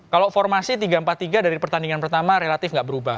kalau formasi tiga empat tiga dari pertandingan pertama relatif nggak berubah